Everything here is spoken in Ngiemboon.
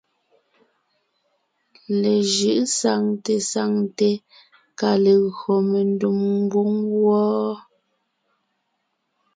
Lejʉ̌ʼ saŋte saŋte kà légÿo mendùm ngwóŋ wɔ́ɔ.